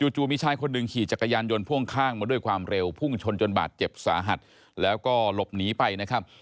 จู่มีชายคนหนึ่งขี่จักรยานยนต์พ่วงข้างมาด้วยความเร็วพุ่งชนจนบาดเจ็บสาหัสแล้วก็หลบหนีไปนะครับ